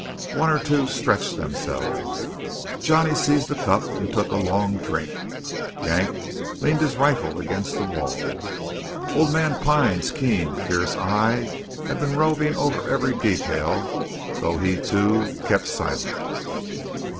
One or two stretched themselves. Johnny seized the cup and took a long drink. Yank leaned his rifle against the wall. Old man Pine's keen, fierce eye had been roving over every detail, though he, too, had kept silent.